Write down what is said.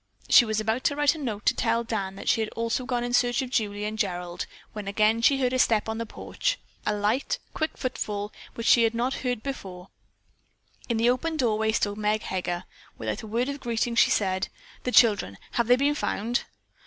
She was about to write a note to tell Dan that she also had gone in search of Julie and Gerald when she again heard a step on the porch, a light, quick footfall which she had not heard before. In the open doorway stood Meg Heger. Without a word of greeting she said: "The children, have they been found?"